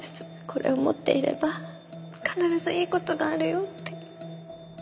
これを持っていれば必ずいい事があるよって。